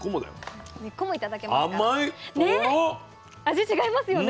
味違いますよね。